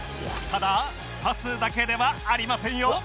ただパスだけではありませんよ